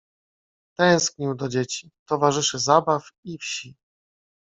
Tęsknił do dzieci, towarzyszy zabaw, i wsi.